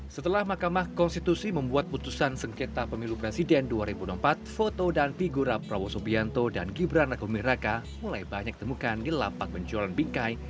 sebagian pedagang mengaku belum menjual foto pasangan presiden dan wakil presiden terpilih dalam satu gambar